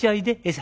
餌」。